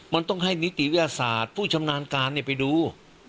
มันต้องให้นิติวิทยาศาสตร์ผู้ชำนาญการไปดู